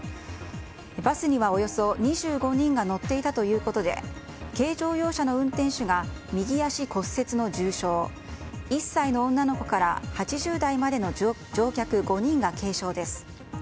バスには、およそ２５人が乗っていたということで軽乗用車の運転手が右足骨折の重傷１歳の女の子から８０代までの乗客５人が軽傷です。